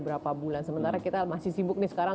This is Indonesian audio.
berapa bulan sementara kita masih sibuk nih sekarang